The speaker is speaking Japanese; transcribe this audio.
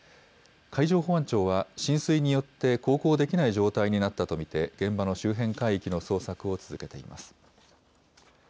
海上保安庁は、浸水によって航行できない状態になったと見て、現場の周辺海域の捜索を続けています。